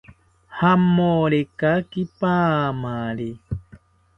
Jamorekaki paamari